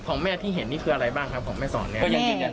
ของแม่ที่เห็นนี่คืออะไรบ้างครับของแม่สอนเนี่ย